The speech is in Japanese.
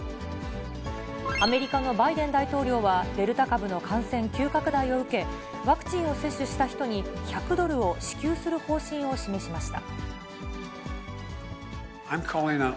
アメリカのバイデン大統領は、デルタ株の感染急拡大を受け、ワクチンを接種した人に１００ドルを支給する方針を示しました。